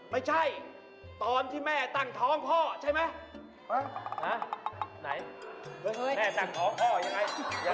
ไม่ใช่ตอนที่แม่ตั้งท้องพ่อใช่มั้ย